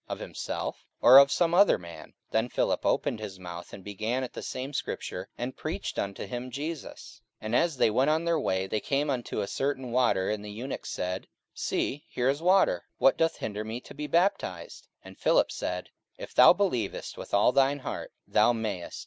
of himself, or of some other man? 44:008:035 Then Philip opened his mouth, and began at the same scripture, and preached unto him Jesus. 44:008:036 And as they went on their way, they came unto a certain water: and the eunuch said, See, here is water; what doth hinder me to be baptized? 44:008:037 And Philip said, If thou believest with all thine heart, thou mayest.